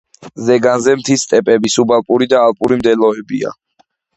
ზეგანზე მთის სტეპები, სუბალპური და ალპური მდელოებია.